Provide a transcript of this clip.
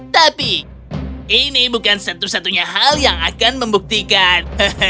tapi ini bukan satu satunya hal yang akan membuktikan